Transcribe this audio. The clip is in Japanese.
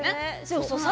そうそう。